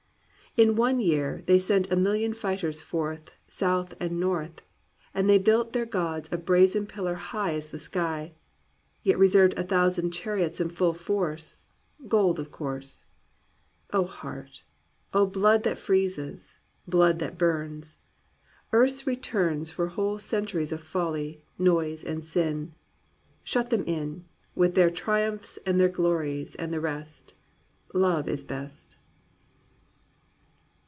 ••••••• In one year they sent a million fighters forth South and North, And they built their gods a brazen pillar high As the sky. Yet reserved a thousand chariots in full force — Gold of course. Oh heart ! Oh blood that freezes, blood that burns ! Earth's returns For whole centuries of folly, noise and sin ! Shut them in. With their triumphs and their glories and the rest ! Love is best."